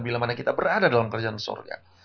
bila mana kita berada dalam kerjaan sorga